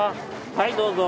はいどうぞ。